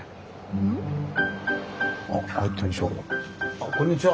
あっこんにちは。